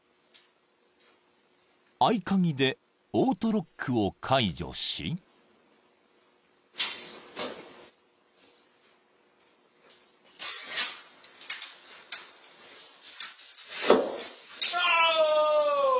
［合鍵でオートロックを解除し］ノー！